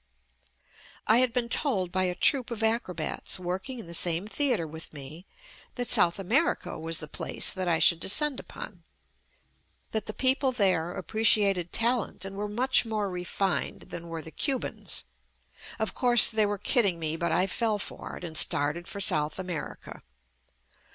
I had been told by a troupe of acrobats working in the same theatre with me that South America was the place that I should descend upon, that the people there appre JUST ME ciated talent and were much more refined than were the Cubans. Of course, they were kid ding me, but I fell for it and started for South America.